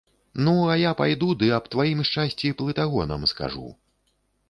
Ну, а я пайду ды аб тваім шчасці плытагонам скажу.